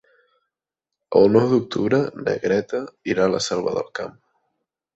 El nou d'octubre na Greta irà a la Selva del Camp.